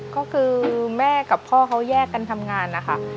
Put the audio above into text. ก็คือแม่กับพ่อเขาแยกกันทำงานนะคะ